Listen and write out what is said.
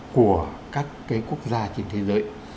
của các cái quốc gia trên thế giới